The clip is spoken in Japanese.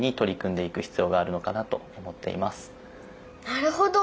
なるほど！